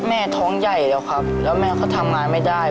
แม่ท้องใหญ่แล้วครับแล้วแม่เขาทำงานไม่ได้